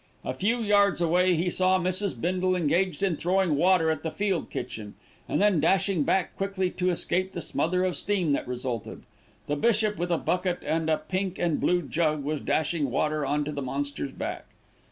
A few yards away he saw Mrs. Bindle engaged in throwing water at the field kitchen, and then dashing back quickly to escape the smother of steam that resulted. The bishop, with a bucket and a pink and blue jug, was dashing water on to the monster's back.